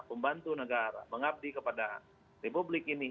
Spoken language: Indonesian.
pembantu negara mengabdi kepada republik ini